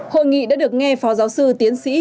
hội nghị đã được nghe phó giáo sư tiến sĩ